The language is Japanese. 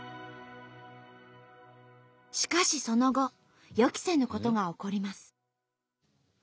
しかしその後予期せぬことが起こります。